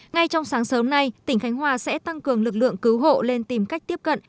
ngay trong sáng sớm nay tỉnh khánh hòa sẽ tăng cường lực lượng cứu hộ lên tìm cách tiếp cận